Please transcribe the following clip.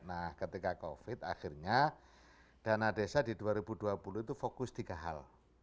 nah ketika covid akhirnya dana desa di dua ribu dua puluh itu fokus tiga hal